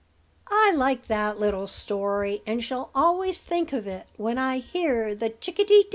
'" "I like that little story, and shall always think of it when I hear the chick a dee dee."